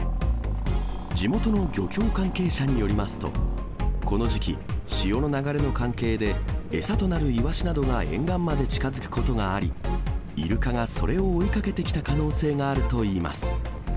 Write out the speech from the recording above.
地元の漁協関係者によりますと、この時期、潮の流れの関係で、餌となるイワシなどが沿岸まで近づくことがあり、イルカがそれを追いかけてきた可能性があるといいます。